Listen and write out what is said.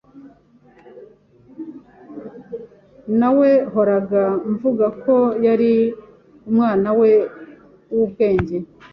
Nawehoraga mvuga ko yari umwanawe wubwenge.